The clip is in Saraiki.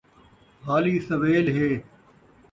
حالی سویل ہِے